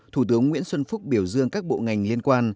thủ tướng nguyễn xuân phúc biểu dương các bộ ngành liên quan